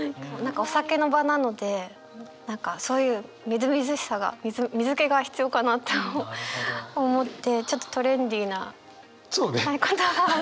お酒の場なので何かそういうみずみずしさが水けが必要かなと思ってちょっとトレンディーな言葉を。